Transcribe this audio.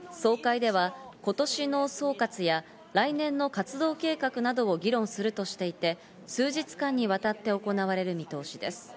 総会では今年の総括や来年の活動計画などを議論するとしていて、数日間にわたって行われる見通しです。